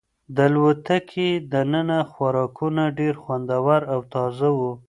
د الوتکې دننه خوراکونه ډېر خوندور او تازه وو.